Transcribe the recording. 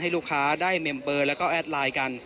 ลูกค้าได้เมมเบอร์แล้วก็แอดไลน์กัน